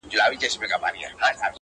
o جلوه مخي په گودر دي اموخته کړم؛